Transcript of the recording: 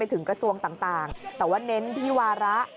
ถึงกระทรวงต่างแต่ว่าเน้นที่วาระ